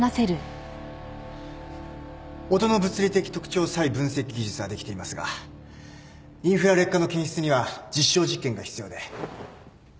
音の物理的特徴差異分析技術はできていますがインフラ劣化の検出には実証実験が必要で。